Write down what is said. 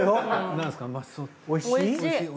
おいしい。